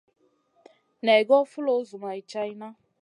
Naï goy foulou zoumay tchaïna.